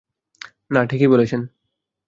না, ঠিকই বলেছেন।